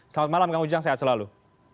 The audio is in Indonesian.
selamat malam kang ujang sehat selalu